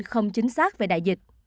không chính xác về đại dịch